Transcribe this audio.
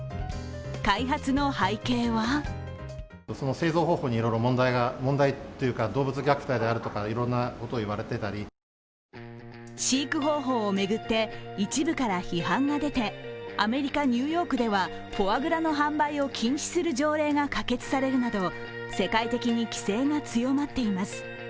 開発の背景は飼育方法を巡って、一部から批判が出てアメリカ・ニューヨークではフォアグラの販売を禁止する条例が可決されるなど世界的に規制が強まっています。